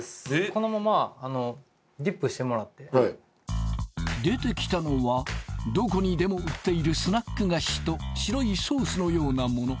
このままディップしてもらってはい出てきたのはどこにでも売っているスナック菓子と白いソースのようなもの